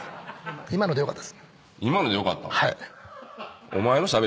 「今のでよかった」